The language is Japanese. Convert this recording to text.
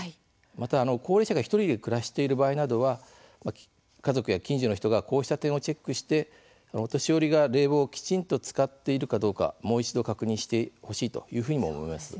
また、高齢者が１人で暮らしている場合などは家族や近所の人がこうした点をチェックしてお年寄りが冷房をきちんと使っているかどうかもう一度、確認してほしいというふうにも思います。